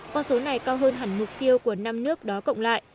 con số này cao hơn hẳn mục tiêu của năm nước đó cộng lại